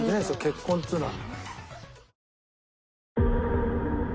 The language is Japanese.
結婚っていうのは。